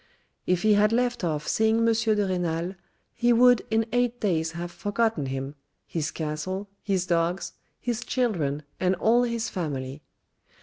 If he had left off seeing M. de Renal he would in eight days have forgotten him, his castle, his dogs, his children and all his family.